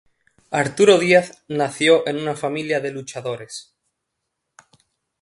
Arturo Díaz nació en una familia de luchadores.